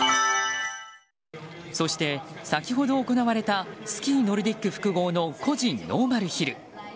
そして、先ほど行われたスキーノルディック複合の個人ノーマルヒル。